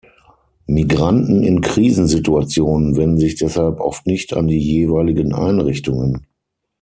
Migranten in Krisensituationen wenden sich deshalb oft nicht an die jeweiligen Einrichtungen.